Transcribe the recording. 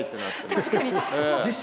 確かに。